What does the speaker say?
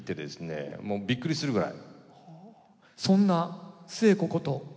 もうびっくりするぐらい。